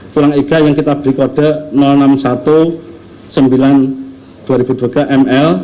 tulang iga yang kita beri kode enam puluh satu sembilan dua ribu dua puluh tiga ml